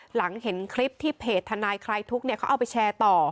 หลังเห็นคลิปที่เพจทนายคลายทุกข์เขาเอาไปแชร์ต่อ